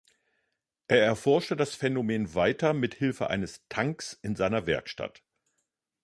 Er erforschte das Phänomen weiter mit Hilfe eines Tanks in seiner Werkstatt.